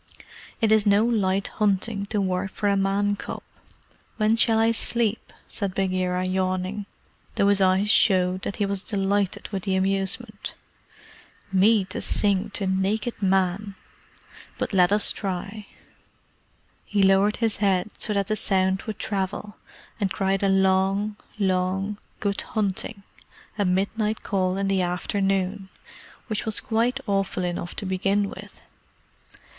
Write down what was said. "It is no light hunting to work for a Man cub. When shall I sleep?" said Bagheera, yawning, though his eyes showed that he was delighted with the amusement. "Me to sing to naked men! But let us try." He lowered his head so that the sound would travel, and cried a long, long, "Good hunting" a midnight call in the afternoon, which was quite awful enough to begin with.